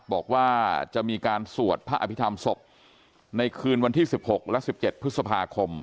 บอกว่าจะมีการสวดพระอภิษฐรรมศพในคืนวันที่๑๖และ๑๗พฤษภาคม